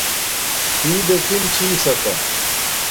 تھی دیکھم چھی ساکا